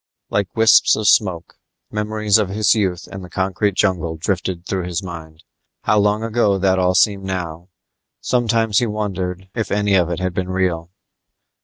Like wisps of smoke, memories of his youth in the concrete jungle drifted through his mind. How long ago that all seemed now. Sometimes he wondered if any of it had been real.